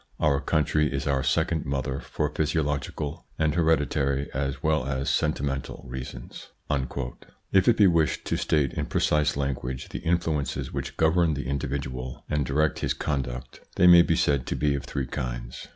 Our country is our second mother for physiological and hereditary as well as sentimental reasons." If it be wished to state in precise language the in fluences which govern the individual and direct his conduct, they may be said to be of three kinds.